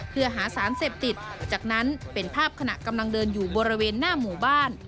เพื่อหาสารเสพติดจากนั้นเป็นภาพขณะกำลังเดินอยู่บริเวณหน้าหมู่บ้าน